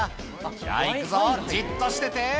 じゃあいくぞ、じっとしてて。